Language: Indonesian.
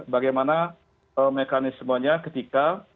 bagaimana mekanismenya ketika